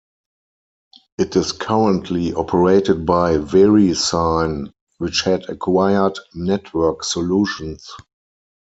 It is currently operated by VeriSign, which had acquired Network Solutions.